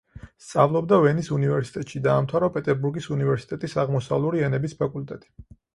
სწავლობდა ვენის უნივერსიტეტში, დაამთავრა პეტერბურგის უნივერსიტეტის აღმოსავლური ენების ფაკულტეტი.